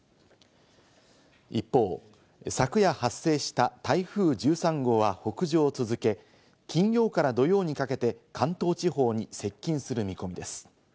一方、昨夜発生した台風１３号は北上を続け、金曜から土曜にかけて関東地方に接近する見込みです。